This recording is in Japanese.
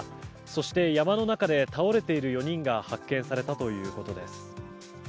そして、山の中で倒れている４人が発見されたということです。